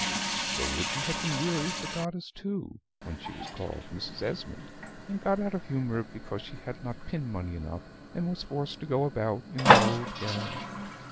So would you have been weary of the goddess too when she was called Mrs. Esmond, and got out of humor because she had not pin money enough, and was forced to go about in an old gown.